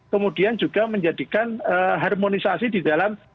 kemudian juga menjadikan harmonisasi di dalam